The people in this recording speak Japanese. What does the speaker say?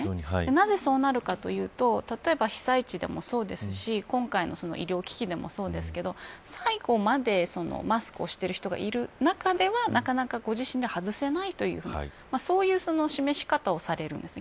なぜ、そうなるかというと例えば被災地でもそうですし今回の医療危機でもそうですけど最後までマスクをしている人がいる中ではなかなか、ご自身では外せないというふうにそういう示し方をされるんです。